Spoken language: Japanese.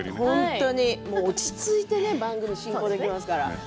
落ち着いて番組進行できますから。